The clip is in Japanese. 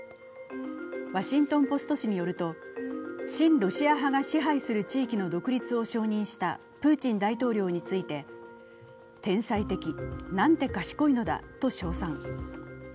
「ワシントン・ポスト」紙によると、親ロシア派が支配する地域の独立を承認したプーチン大統領について天才的、なんて賢いのだと称賛。